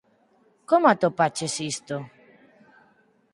Como atopaches isto?